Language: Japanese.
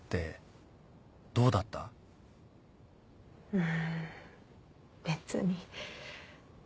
うん別に。